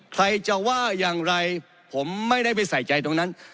ใครจะว่าอย่างไรผมไม่ได้ไปใส่ใจตรงนั้น